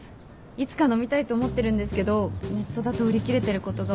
いつか飲みたいと思ってるんですけどネットだと売り切れてることが多くて。